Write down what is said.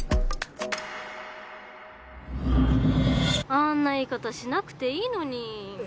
あんな言い方しなくていいのに。